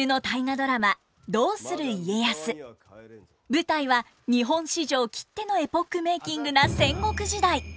舞台は日本史上きってのエポックメーキングな戦国時代！